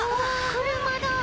車だ。